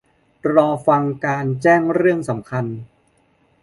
รอฟังการแจ้งเรื่องสำคัญ